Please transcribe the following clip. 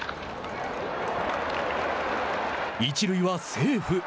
一塁はセーフ。